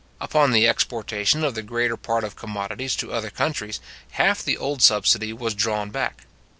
Upon the exportation of the greater part of commodities to other countries, half the old subsidy was drawn back.